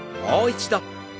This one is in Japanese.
もう一度。